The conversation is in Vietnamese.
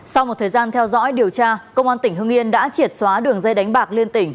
sau một thời gian theo dõi điều tra công an tỉnh hưng yên đã triệt xóa đường dây đánh bạc liên tỉnh